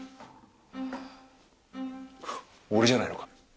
俺じゃないのか？